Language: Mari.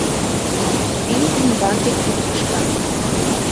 Пий ӱмбаке кӱм кышка